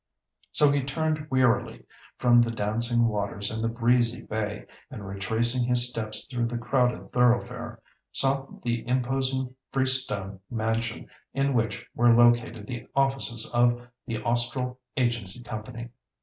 So he turned wearily from the dancing waters and the breezy bay, and retracing his steps through the crowded thoroughfare, sought the imposing freestone mansion in which were located the offices of the Austral Agency Company.